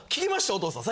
お父さん